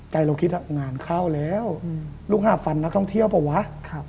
เราคิดว่างานเข้าแล้วลูกหาฟันนักท่องเที่ยวเปล่าวะ